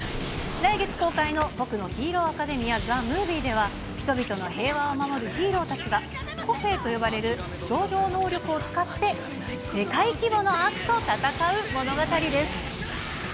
来月公開の、僕のヒーローアカデミアザムービーでは、人々の平和を守るヒーローたちが、こせいと呼ばれる超常能力を使って、世界規模の悪と戦う物語です。